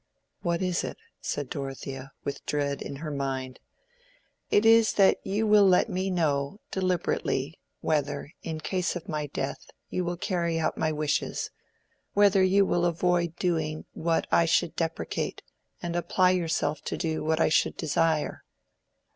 "What is it?" said Dorothea, with dread in her mind. "It is that you will let me know, deliberately, whether, in case of my death, you will carry out my wishes: whether you will avoid doing what I should deprecate, and apply yourself to do what I should desire."